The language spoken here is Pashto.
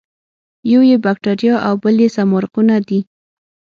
یو یې باکتریا او بل سمارقونه دي.